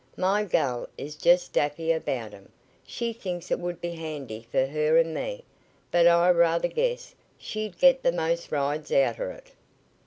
My gal is jest daffy about 'em. She thinks it would be handy fer her an' me, but I ruther guess she'd git th' most rides outer it."